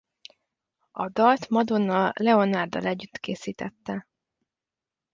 A dalt Madonna Leonarddal együtt készítette.